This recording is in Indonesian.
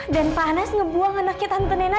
dan pak anas ngebuang anaknya tante nena